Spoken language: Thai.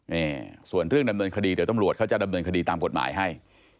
นี่ส่วนเรื่องดำเนินคดีเดี๋ยวตำรวจเขาจะดำเนินคดีตามกฎหมายให้